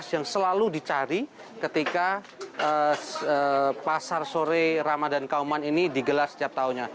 yang selalu dicari ketika pasar sore ramadan kauman ini digelar setiap tahunnya